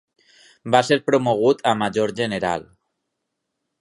Va ser promogut a Major General.